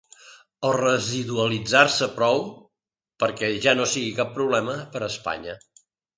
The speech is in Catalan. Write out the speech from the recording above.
O residualitzar-se prou perquè ja no sigui cap problema per Espanya.